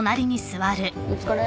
お疲れ。